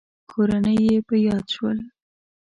کورنۍ يې په ياد شول.